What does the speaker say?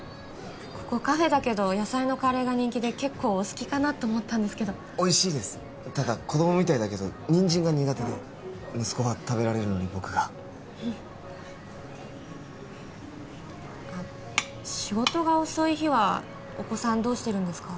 ここカフェだけど野菜のカレーが人気で結構お好きかなと思ったんですけどおいしいですただ子供みたいだけどニンジンが苦手で息子は食べられるのに僕があっ仕事が遅い日はお子さんどうしてるんですか？